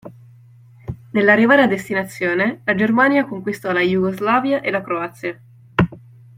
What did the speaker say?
Nell'arrivare a destinazione la Germania conquistò la Iugoslavia e la Croazia.